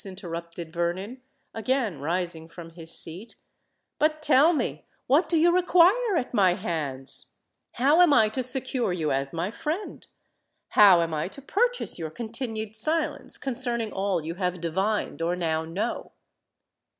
interrupted Vernon, again rising from his seat. "But, tell me—what do you require at my hands? how am I to secure you as my friend? how am I to purchase your continued silence concerning all you have divined or now know?"